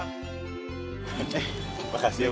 terima kasih bang